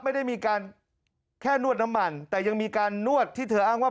ไม่ได้มีการแค่นวดน้ำมันแต่ยังมีการนวดที่เธออ้างว่า